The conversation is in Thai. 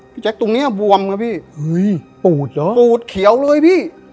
พี่แจ็คตรงเนี่ยบวมนะพี่ปูดเขียวเลยพี่